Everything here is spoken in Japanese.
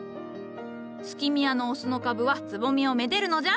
スキミアのオスの株はつぼみをめでるのじゃ。